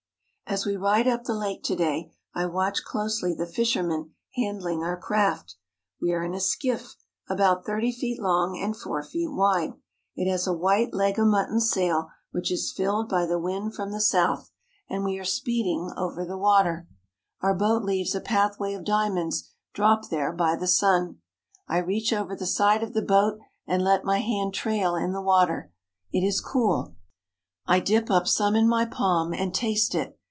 As we ride up the lake to day I watch closely the fishermen handling our craft. We are in a skiff about thirty feet long and four feet wide. It has a white leg of mutton sail which is filled by the wind from the south, 189 THE HOLY LAND AND SYRIA and we are speeding over the water. Our boat leaves a pathway of diamonds dropped there by the sun. I reach over the side of the boat and let my hand trail in the water. It is cool. I dip up some in my palm and taste it.